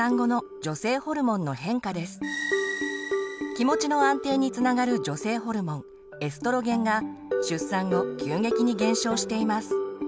気持ちの安定につながる女性ホルモンエストロゲンが出産後急激に減少しています。